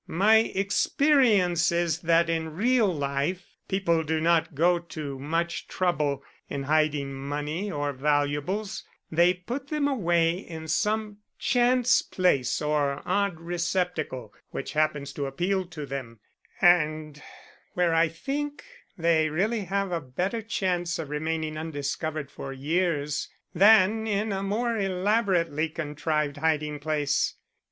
My experience is that in real life people do not go to much trouble in hiding money or valuables; they put them away in some chance place or odd receptacle which happens to appeal to them, and where I think they really have a better chance of remaining undiscovered for years than in a more elaborately contrived hiding place.